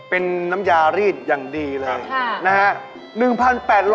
เป็นน้ำยารีดอย่างดีเลยนะฮะ